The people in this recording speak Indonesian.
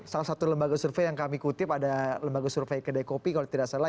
salah satu lembaga survei yang kami kutip ada lembaga survei kedai kopi kalau tidak salah